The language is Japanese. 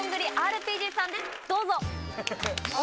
どうぞ。